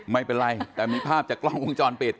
ไม่เป็นไรแต่มีภาพจากกล้องวงจรปิด